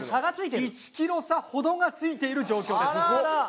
１ｋｇ差ほどがついている状況です。